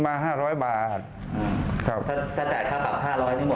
ถ้าจ่ายค่าปรับนี่หมดไหมนะ